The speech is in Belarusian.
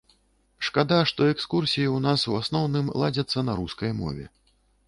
Шкада, што экскурсіі ў нас у асноўным ладзяцца на рускай мове.